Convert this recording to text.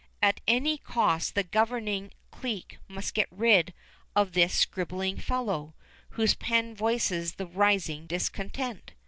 At any cost the governing clique must get rid of this scribbling fellow, whose pen voices the rising discontent.